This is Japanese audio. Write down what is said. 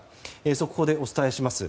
速報でお伝えします。